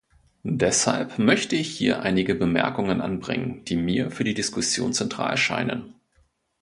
Deshalb möchte ich hier einige Bemerkungen anbringen, die mir für die Diskussion zentral scheinen.